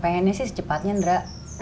pengennya sih secepatnya ndra